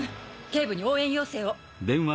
警部に応援要請を！